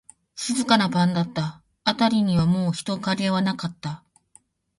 静かな晩だった。あたりにはもう人影はなかった。